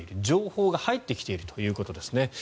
情報が入ってきているということですね。